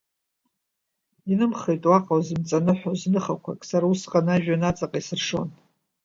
Инымхеит уаҟа узымҵаныҳәоз ныхақәак, сара усҟан ажәҩан аҵаҟа исыршон.